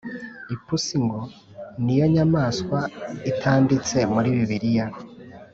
Ipusi ngo niyo nyamaswa itanditse muri bibiliya